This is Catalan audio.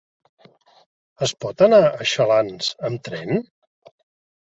Es pot anar a Xalans amb tren?